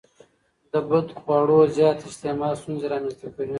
د بدخواړو زیات استعمال ستونزې رامنځته کوي.